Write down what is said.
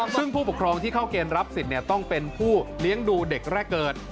ซึ่งผู้ปกครองที่เข้าเกณฑ์รับสิทธิ์ต้องเป็นผู้เลี้ยงดูเด็กแรกเกิด